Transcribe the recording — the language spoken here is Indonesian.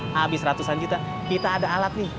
habis ratusan juta kita ada alat nih